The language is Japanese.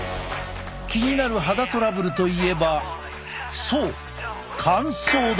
気になる肌トラブルといえばそう乾燥だ！